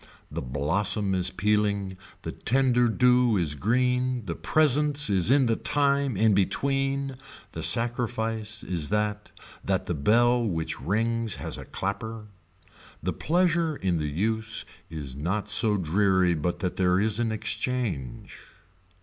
The blossom is pealing, the tender dew is green, the presence is in the time in between, the sacrifice is that that the bell which rings has a clapper. The pleasure in the use is not so dreary but that there is an exchange.